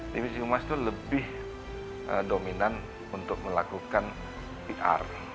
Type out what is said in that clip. divisi humas itu lebih dominan untuk melakukan pr